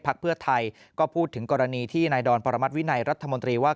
เพื่อไทยก็พูดถึงกรณีที่นายดอนปรมัติวินัยรัฐมนตรีว่า